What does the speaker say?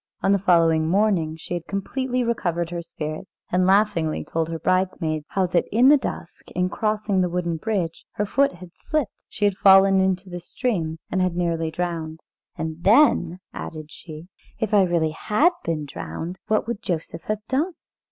On the following morning she had completely recovered her spirits, and laughingly told her bridesmaids how that in the dusk, in crossing the wooden bridge, her foot had slipped, she had fallen into the stream, and had been nearly drowned. "And then," added she, "if I really had been drowned, what would Joseph have done?"